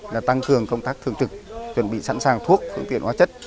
là tăng cường công tác thường trực chuẩn bị sẵn sàng thuốc phương tiện hóa chất